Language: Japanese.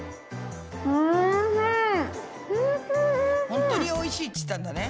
ほんとにおいしいって言ったんだね。